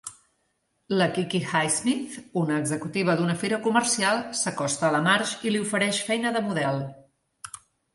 La Kiki Highsmith, una executiva d'una fira comercial, s'acosta a la Marge i li ofereix feina de model.